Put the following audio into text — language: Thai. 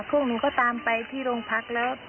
พวกหนูก็ตามไปที่โรงพักแล้ว